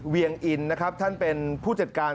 เวียงอินนะครับท่านเป็นผู้จัดการ